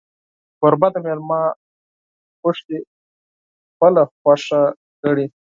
کوربه د میلمه خوښي خپله خوښي ګڼي.